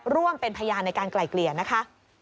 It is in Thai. ร่วมเป็นพยานในการไกล่เกลี่ยนะคะ